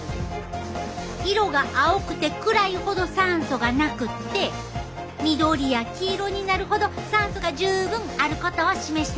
色が青くて暗いほど酸素がなくって緑や黄色になるほど酸素が十分あることを示してるで。